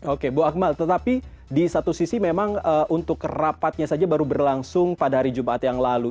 oke bu akmal tetapi di satu sisi memang untuk rapatnya saja baru berlangsung pada hari jumat yang lalu